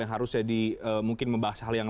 yang harus jadi mungkin membahas hal yang